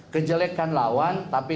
kejelekan lawan tapi